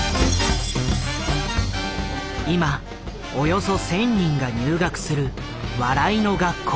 今およそ１，０００人が入学する笑いの学校。